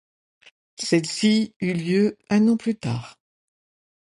Celle-ci eut lieu un an plus tard.